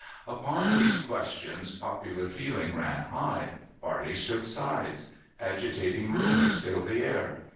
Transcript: Upon these questions popular feeling ran high. Parties took sides. Agitating rumors filled the air.